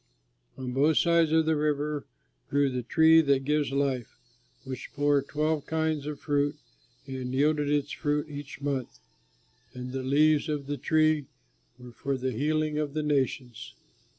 On both sides of the river grew the tree that gives life, which bore twelve kinds of fruit and yielded its fruit each month; and the leaves of the tree were for the healing of the nations.